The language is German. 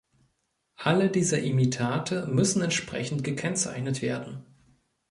Alle diese Imitate müssen entsprechend gekennzeichnet werden.